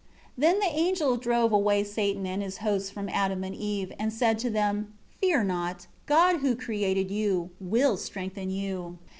15 Then the angel drove away Satan and his hosts from Adam and Eve, and said to them, "Fear not; God who created you, will strengthen you."